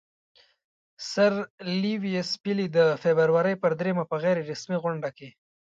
سر لیویس پیلي د فبرورۍ پر دریمه په غیر رسمي غونډه کې.